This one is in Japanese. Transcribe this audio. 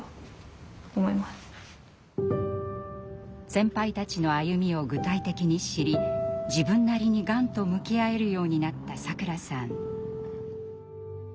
先輩たちの歩みを具体的に知り自分なりにがんと向き合えるようになったサクラさん。